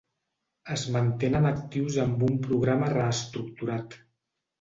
Es mantenen actius amb un programa reestructurat.